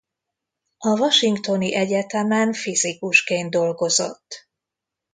A Washingtoni Egyetememen fizikusként dolgozott.